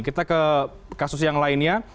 kita ke kasus yang lainnya